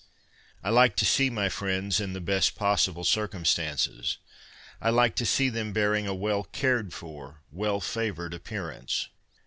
I like to see my friends in the best possible circumstances. I like to see them bearing a well cared for, well favoured appearance.